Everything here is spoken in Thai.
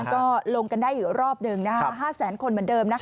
ก็ลงกันได้อยู่รอบหนึ่ง๕แสนคนเหมือนเดิมนะคะ